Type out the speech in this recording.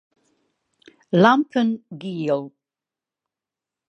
Lampen giel.